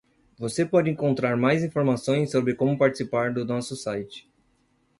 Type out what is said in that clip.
Você pode encontrar mais informações sobre como participar do nosso site.